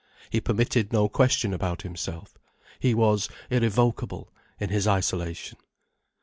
He permitted no question about himself. He was irrevocable in his isolation.